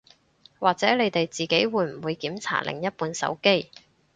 或者你哋自己會唔會檢查另一半手機